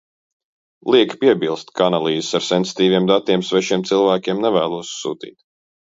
Lieki piebilst, ka analīzes ar sensitīviem datiem svešiem cilvēkiem nevēlos sūtīt.